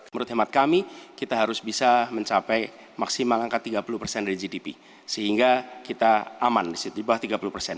menurut hemat kami kita harus bisa mencapai maksimal angka tiga puluh persen dari gdp sehingga kita aman di bawah tiga puluh persen